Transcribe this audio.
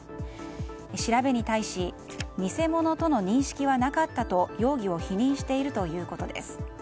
調べに対し偽物との認識はなかったと容疑を否認しているということです。